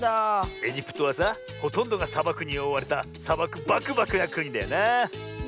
エジプトはさほとんどがさばくにおおわれたさばくばくばくなくにだよなあ。